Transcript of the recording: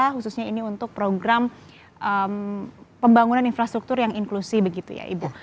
khususnya ini untuk program pembangunan infrastruktur yang inklusi begitu ya ibu